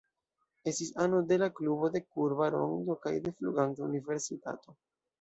Estis ano de la Klubo de Kurba Rondo kaj de Fluganta Universitato.